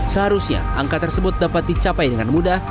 seharusnya angka tersebut dapat dicapai dengan mudah